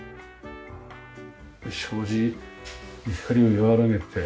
障子光を和らげて。